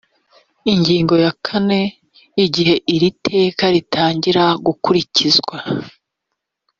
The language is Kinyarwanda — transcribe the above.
ingingo ya kane igihe iri teka ritangira gukurikizwa